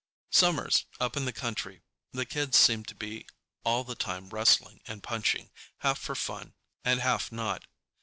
Summers, up in the country, the kids seem to be all the time wrestling and punching, half for fun and half not.